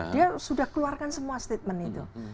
dia sudah keluarkan semua statement itu